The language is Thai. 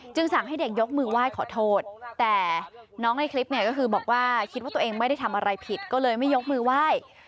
สั่งให้เด็กยกมือไหว้ขอโทษแต่น้องในคลิปเนี่ยก็คือบอกว่าคิดว่าตัวเองไม่ได้ทำอะไรผิดก็เลยไม่ยกมือไหว้